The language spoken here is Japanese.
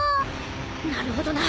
なるほどな。